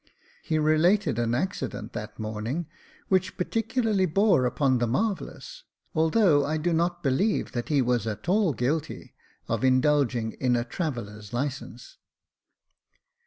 He related an accident that morning, which particularly bore upon the marvellous, although I do not believe that he was at all guilty of indulging in a traveller's licence.